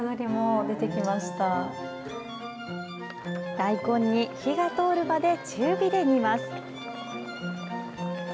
大根に火が通るまで中火で煮ます。